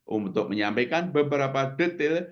untuk menyampaikan beberapa detail